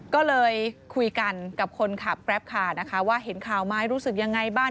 ก็เลยคุยกันกับคนขับแกรปคาร์นะคะว่าเห็นข่าวไหมรู้สึกยังไงบ้าง